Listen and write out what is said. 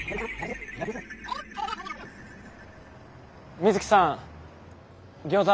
水木さんギョーザ